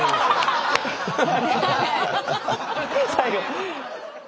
最後。